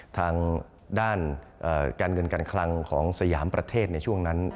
ทางด้านการเงินการคลังของสยามประเทศในช่วงนั้น